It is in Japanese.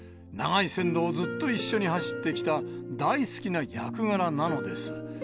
長い線路をずっと一緒に走ってきた、大好きな役柄なのです。